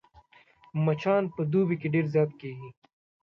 مچان په دوبي کې ډېر زيات کېږي